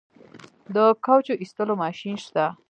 د کوچو ایستلو ماشین شته؟